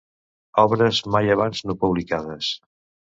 Obres mai abans no publicades.